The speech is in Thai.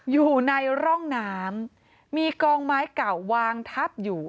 อยู่ในร่องน้ำมีกองไม้เก่าวางทับอยู่